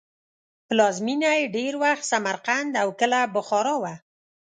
پلازمینه یې ډېر وخت سمرقند او کله بخارا وه.